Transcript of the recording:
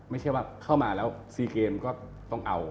ไม่ใช่ว่าเข้ามาแล้ว๔เกมก็ต้องเอา